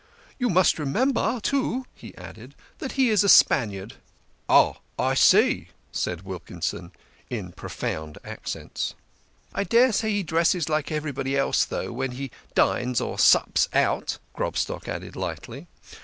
"You must remember, too," he added, "that he is a Spaniard." "Ah, I see," said Wilkinson in profound accents. " I daresay he dresses like everybody else, though, when he dines or sups, out," Grobstock added lightly.